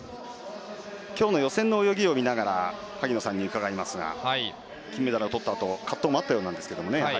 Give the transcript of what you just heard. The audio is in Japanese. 今日の予選の泳ぎを見ながら萩野さんに伺いますが金メダルを取ったあと葛藤もあったようなんですけど。